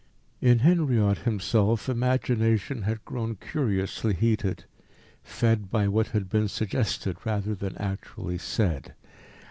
In Henriot himself imagination had grown curiously heated, fed by what had been suggested rather than actually said.